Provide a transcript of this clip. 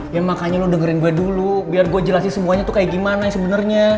ya makanya lo dengerin gue dulu biar gue jelasin semuanya tuh kayak gimana sebenarnya